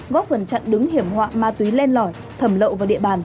góp phần chặn đứng hiểm họa ma túy len lỏi thẩm lậu vào địa bàn